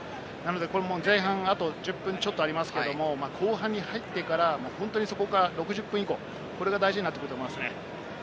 前半、あと１０分ちょっとありますけれども、後半に入ってから、そこから６０分以降、これが大事になってくると思います。